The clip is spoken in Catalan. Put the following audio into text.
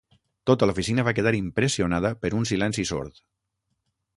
Tota l'oficina va quedar impressionada per un silenci sord.